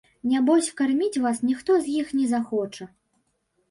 Нябось, карміць вас ніхто з іх не захоча.